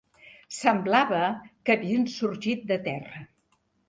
Semblava que havien sorgit de terra